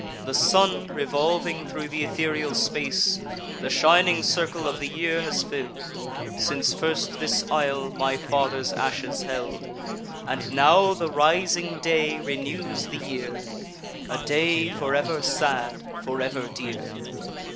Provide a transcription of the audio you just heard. The sun, revolving thro' th' ethereal space, The shining circle of the year has fill'd, Since first this isle my father's ashes held: And now the rising day renews the year; A day for ever sad, for ever dear.